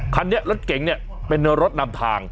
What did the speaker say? คันนี้รถเก๋งเนี่ยเป็นรถนำทาง